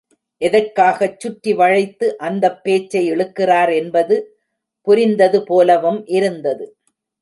எதற்காகச் சுற்றி வளைத்து அந்தப் பேச்சை இழுக்கிறார் என்பது புரிந்தது போலவும் இருந்தது.